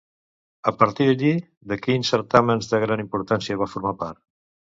A partir d'allí, de quins certàmens de gran importància va formar part?